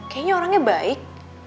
kayaknya orangnya baik